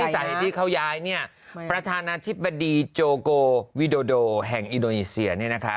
สาเหตุที่เขาย้ายเนี่ยประธานาธิบดีโจโกวิโดโดแห่งอินโดนีเซียเนี่ยนะคะ